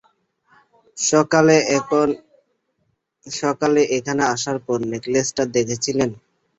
সকালে এখানে আসার পর নেকলেসটা দেখেছিলেন?